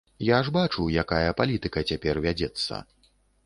Я ж бачу, якая палітыка цяпер вядзецца.